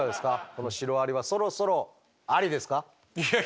このシロアリはそろそろアリですか？